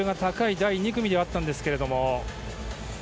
第２組ではあったんですけれども。